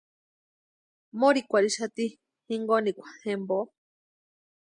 Morhikwarhixati jinkonikwa jempo.